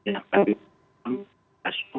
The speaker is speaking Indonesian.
yang tadi kita asum